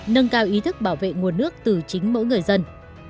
nâng cao ý thức bảo vệ nguồn nước từ chính mỗi người dân